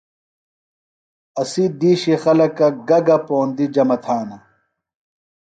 اسی دیشی خلکہ گہ گہ پوندِیہ جمع تھانہ؟